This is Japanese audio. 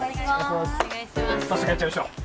早速やっちゃいましょう